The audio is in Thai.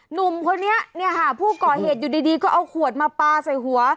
หนุ่มคนนี้เนี่ยค่ะผู้ก่อเหตุอยู่ดีก็เอาขวดมาปลาใส่หัว